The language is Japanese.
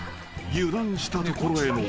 油断したところへの］